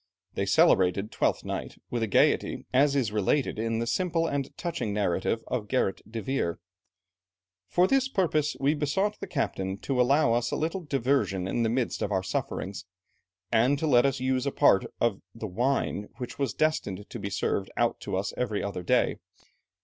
They celebrated Twelfth Night with gaiety, as is related in the simple and touching narrative of Gerrit de Veer. "For this purpose, we besought the captain to allow us a little diversion in the midst of our sufferings, and to let us use a part of the wine which was destined to be served out to us every other day.